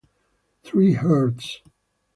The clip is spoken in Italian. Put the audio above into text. Three Hearts